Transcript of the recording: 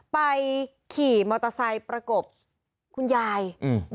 ขี่มอเตอร์ไซค์ประกบคุณยายอืม